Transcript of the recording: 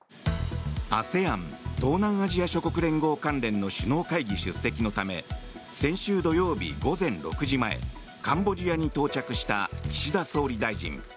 ＡＳＥＡＮ・東南アジア諸国連合関連の首脳会議出席のため先週土曜日午前６時前カンボジアに到着した岸田総理大臣。